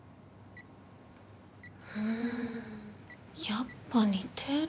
やっぱ似てる？